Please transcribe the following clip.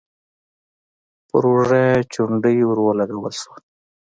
په اوږه يې چونډۍ ور ولګول شوه: